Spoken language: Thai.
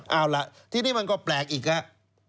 เอาล่ะทีนี้มันก็แปลกอีกครับ